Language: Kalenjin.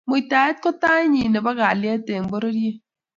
muitaet ko taet nyi ko kalyet eng pororiet